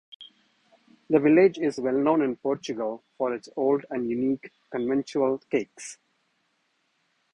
The village is well known in Portugal for its old and unique conventual cakes.